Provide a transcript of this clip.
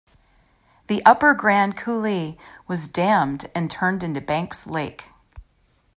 The Upper Grand Coulee was dammed and turned into Banks Lake.